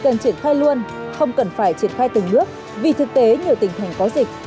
cần triển khai luôn không cần phải triển khai từng nước vì thực tế nhiều tỉnh thành có dịch